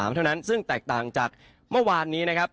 เท่านั้นซึ่งแตกต่างจากเมื่อวานนี้นะครับ